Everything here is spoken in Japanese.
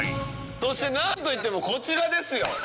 そしてなんといってもこちらですよ。